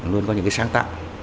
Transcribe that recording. luôn có những sáng tạo